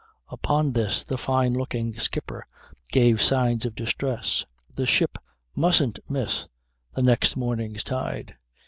"Upon this the fine looking skipper gave signs of distress. The ship mustn't miss the next morning's tide.